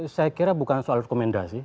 saya kira bukan soal rekomendasi